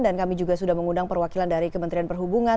dan kami juga sudah mengundang perwakilan dari kementerian perhubungan